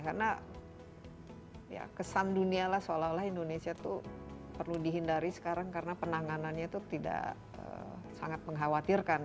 karena kesan dunia lah seolah olah indonesia tuh perlu dihindari sekarang karena penanganannya tuh tidak sangat mengkhawatirkan gitu